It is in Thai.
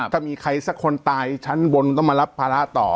ถ้ามีใครสักคนตายชั้นบนก็มารับภาระต่อ